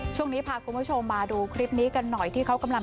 ช่วงนี้พาคุณผู้ชมมาดูคลิปนี้กันหน่อยที่เขากำลัง